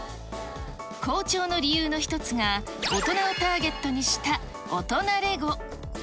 好調の理由の一つが、大人をターゲットにした大人レゴ。